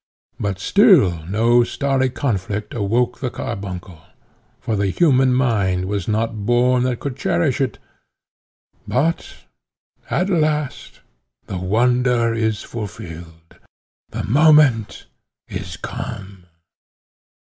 But still no starry conflict awoke the carbuncle; for the human mind was not born that could cherish it but at last "_The wonder is fulfilled, the moment is come.